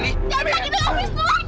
jangan sakit dengan om wisnu lagi